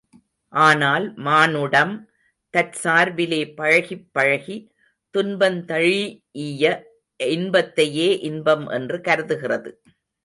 ஆனால் மானுடம் தற்சார்பிலே பழகிப் பழகி, துன்பந்தழீஇய இன்பத்தையே இன்பம் என்று கருதுகிறது.